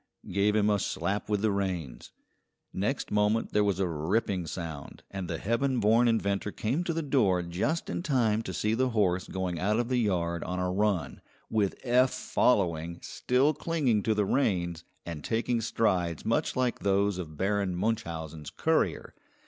gave him a slap with the reins. Next moment there was a ripping sound, and the heaven born inventor came to the door just in time to see the horse going out of the yard on a run, with Eph following, still clinging to the reins, and taking strides much like those of Baron Munchausen's courier.